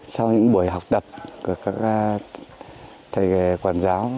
sau những buổi học tập của các thầy quản giáo